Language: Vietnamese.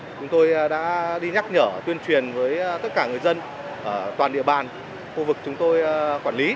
chúng tôi đã đi nhắc nhở tuyên truyền với tất cả người dân toàn địa bàn khu vực chúng tôi quản lý